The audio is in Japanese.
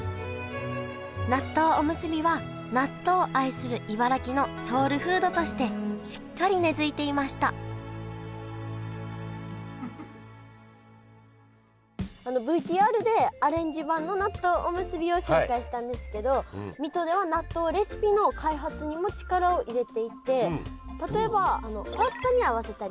納豆おむすびは納豆を愛する茨城のソウルフードとしてしっかり根づいていましたＶＴＲでアレンジ版の納豆おむすびを紹介したんですけど例えばパスタに合わせたりとか。